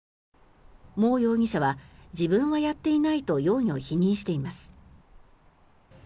モウ容疑者は自分はやっていないと容疑を否認しています。